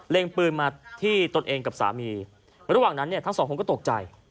ปืนมาที่ตนเองกับสามีระหว่างนั้นเนี่ยทั้งสองคนก็ตกใจ